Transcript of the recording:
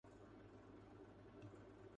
کیونکہ وسائل کی بھرمار ہی کسی اور طرف جا رہی تھی۔